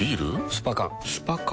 スパ缶スパ缶？